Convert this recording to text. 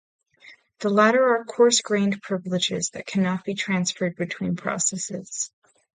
The latter are coarse-grained privileges that cannot be transferred between processes.